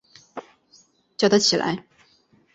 叫他起来